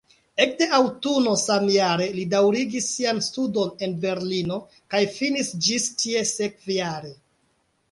Ekde aŭtuno samjare li daŭrigis sian studon en Berlino kaj finis ĝis tie sekvajare.